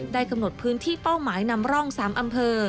กำหนดพื้นที่เป้าหมายนำร่อง๓อำเภอ